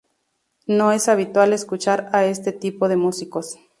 no es habitual escuchar a este tipo de músicos